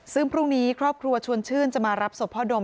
ซึ่งพรุ่งนี้ครอบครัวชวนชื่นจะมารับศพพ่อดม